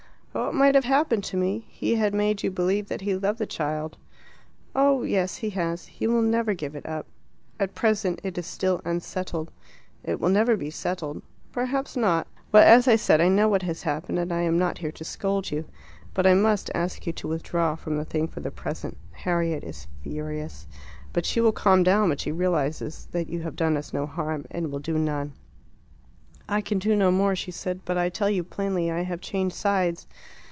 "What might have happened to me he had made you believe that he loved the child." "Oh, yes; he has. He will never give it up." "At present it is still unsettled." "It will never be settled." "Perhaps not. Well, as I said, I know what has happened, and I am not here to scold you. But I must ask you to withdraw from the thing for the present. Harriet is furious. But she will calm down when she realizes that you have done us no harm, and will do none." "I can do no more," she said. "But I tell you plainly I have changed sides."